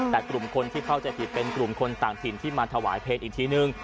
แต่กลุ่มคนที่เข้าใจผิดเป็นกลุ่มคนต่างถิ่นที่มาถวายเพลงอีกทีนึง